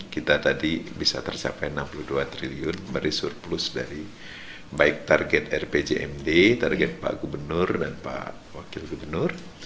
kita tadi bisa tercapai enam puluh dua triliun meri surplus dari baik target rpjmd target pak gubernur dan pak wakil gubernur